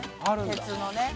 鉄のね。